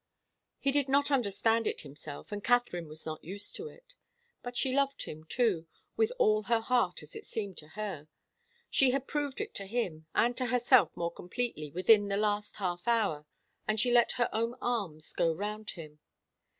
He did not understand it himself, and Katharine was not used to it. But she loved him, too, with all her heart, as it seemed to her. She had proved it to him and to herself more completely within the last half hour, and she let her own arms go round him.